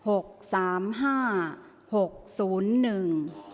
ออกรางวัลที่๖